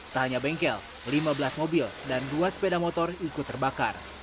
tak hanya bengkel lima belas mobil dan dua sepeda motor ikut terbakar